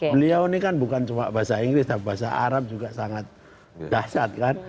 beliau ini kan bukan cuma bahasa inggris bahasa arab juga sangat dasar